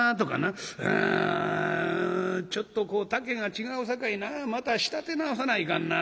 『うんちょっとこう丈が違うさかいなまた仕立て直さないかんな。